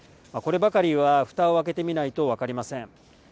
こればかりは、ふたを開けてみないと分かりません。